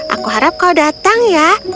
aku harap kau datang ya